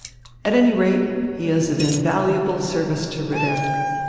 At any rate he is of invaluable service to Ritter.